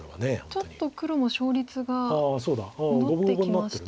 ちょっと黒も勝率が戻ってきました。